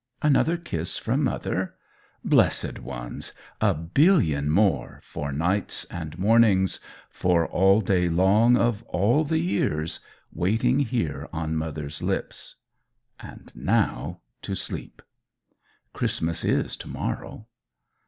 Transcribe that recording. Another kiss from mother? Blessed Ones! A billion more, for nights and mornings, for all day long of all the years, waiting here on mother's lips. And now to sleep. Christmas is to morrow.